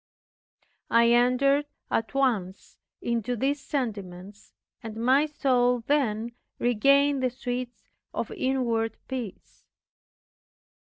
I entered at once into these sentiments, and my soul then regained the sweets of inward peace.